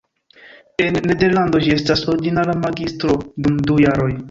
En Nederlando ĝi estas ordinara magistro dum du jaroj.